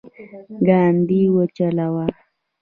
ګاډی وچلوه